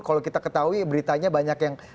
kalau kita ketahui beritanya banyak yang